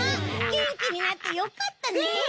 げんきになってよかったね。